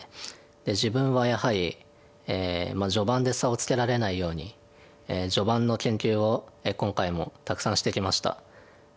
で自分はやはり序盤で差をつけられないように序盤の研究を今回もたくさんしてきました。